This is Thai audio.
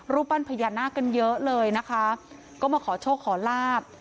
ปั้นพญานาคกันเยอะเลยนะคะก็มาขอโชคขอลาบ